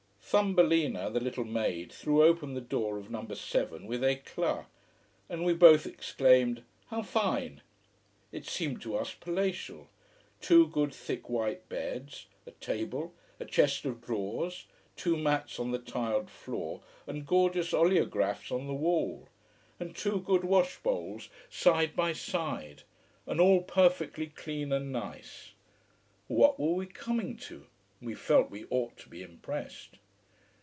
Thumbelina, the little maid, threw open the door of number seven with eclat. And we both exclaimed: "How fine!" It seemed to us palatial. Two good, thick white beds, a table, a chest of drawers, two mats on the tiled floor, and gorgeous oleographs on the wall and two good wash bowls side by side and all perfectly clean and nice. What were we coming to! We felt we ought to be impressed.